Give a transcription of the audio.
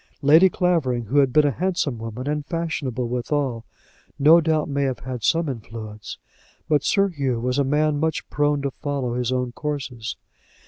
Lady Clavering, who had been a handsome woman and fashionable withal, no doubt may have had some influence; but Sir Hugh was a man much prone to follow his own courses.